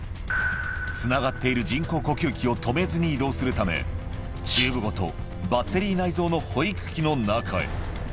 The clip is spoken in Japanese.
つながっている人工呼吸器を止めずに移動するため、チューブごとバッテリー内蔵の保育器の中へ。